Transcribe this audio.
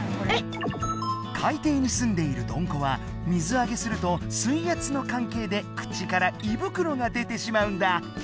海底に住んでいるどんこは水あげすると水圧の関係で口から胃袋が出てしまうんだ。